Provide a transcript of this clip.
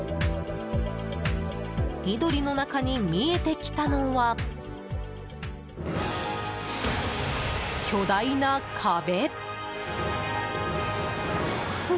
緑の中に見えてきたのは巨大な壁。